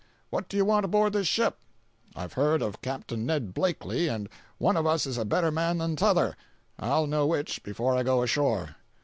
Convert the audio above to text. "What do you want aboard this ship?" "I've heard of Capt. Ned Blakely, and one of us is a better man than 'tother—I'll know which, before I go ashore."